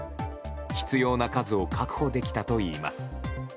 必要な数を確保できたといいます。